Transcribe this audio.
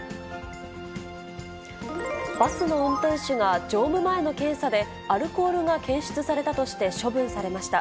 バスの運転手が乗務前の検査でアルコールが検出されたとして処分されました。